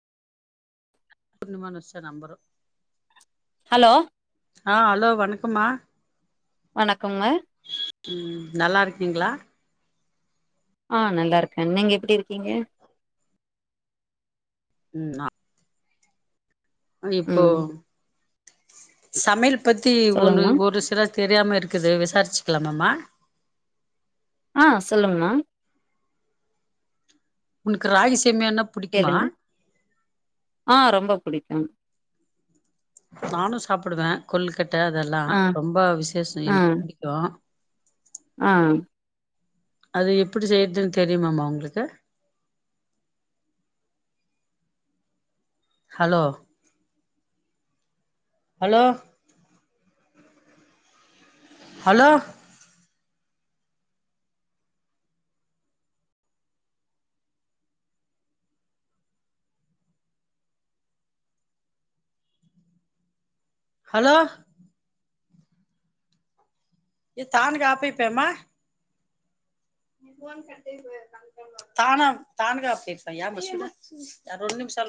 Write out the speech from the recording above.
Purnima nurse number hello ஆ hello வணக்கமா வணக்கங்க ம் நல்லா இருக்கீங்களா ஆ நல்லா இருக்கங் நீங்க எப்டி இருக்கீங்க ம் ஆ ஆ இப்போ ம் சமையில் பத்தி ஒன்னு சொல்லுங்கமா ஒரு சிலத் தெரியாம இருக்குது விசாரிச்சுக்கலாமம்மா ஆ சொல்லுங்கமா உனக்கு ராகிஸ் கேளுங்க ஆ ரொம்ப புடிக்கு நானு சாப்புடுவ கொள்கு க்கட்ட அதெல்லா ஆ ரொம்ப விசேஷ ஆ எனக்கு பிடிக்கு ஆ அது எப்டி செய்றதுன் தெரியுமாமா உங்களுக்கு ஹலோ ஹலோ ஹலோ ஹலோ ஏ தாமிக்கா ஆப்பிப்பேமா தானா தானகப்ப இருப்ப ஏன்ஷ ரெண் நிமிஷ